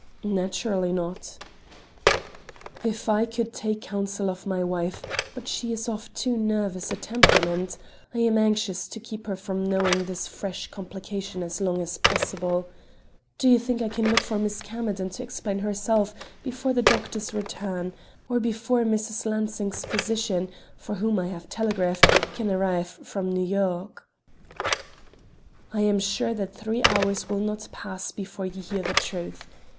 "Naturally not." "If I could take counsel of my wife! But she is of too nervous a temperament. I am anxious to keep her from knowing this fresh complication as long as possible. Do you think I can look for Miss Camerden to explain herself before the doctors return, or before Mrs. Lansing's physician, for whom I have telegraphed, can arrive from New York?" "I am sure that three hours will not pass before you hear the truth.